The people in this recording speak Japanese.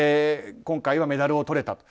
今回はメダルをとれた。